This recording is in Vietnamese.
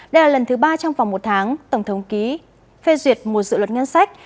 đây là lần thứ ba trong vòng một tháng tổng thống ký phê duyệt một dự luật ngân sách